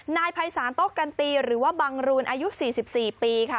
นายภัยศาลโต๊ะกันตีหรือว่าบังรูนอายุ๔๔ปีค่ะ